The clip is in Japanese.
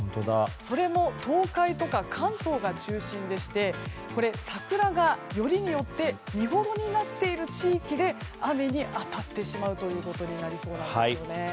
それも東海とか関東が中心でしてこれ、桜がよりによって見ごろになっている地域で雨に当たってしまうということになりそうなんですよね。